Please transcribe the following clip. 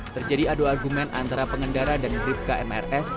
terjadi adu argumen antara pengendara dan bkmrs